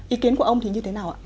ý kiến của ông thì như thế nào ạ